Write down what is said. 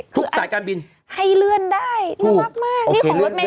ทุกสายการบินให้เลื่อนได้น่าวักมาก